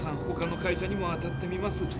ほかの会社にも当たってみます。